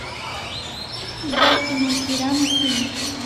Basun o piran sin